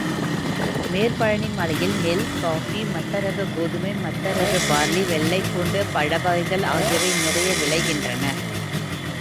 மேற்பழனிமலையில் நெல், காஃபி, மட்டரகக் கோதுமை, மட்டரகப் பார்லி, வெள்ளைப்பூண்டு, பழ வகைகள் ஆகியவை நிறைய விளைகின்றன.